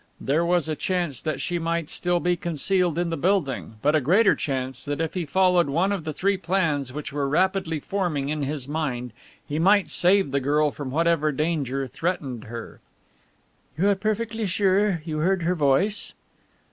There was a chance that she might still be concealed in the building, but a greater chance that if he followed one of the three plans which were rapidly forming in his mind he might save the girl from whatever danger threatened her. "You are perfectly sure you heard her voice?"